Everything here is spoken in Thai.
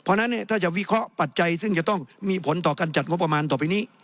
เพราะฉะนั้นถ้าจะวิเคราะห์ปัจจัยซึ่งจะต้องมีผลต่อการจัดงบประมาณต่อไปนี้